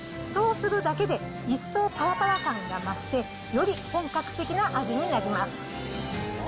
そうするだけで、一層ぱらぱら感が増して、より本格的な味になります。